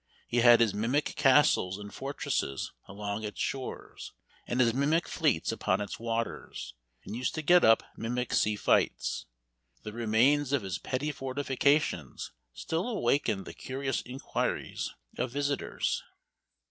He had his mimic castles and fortresses along its shores, and his mimic fleets upon its waters, and used to get up mimic sea fights. The remains of his petty fortifications still awaken the curious inquiries of visitors.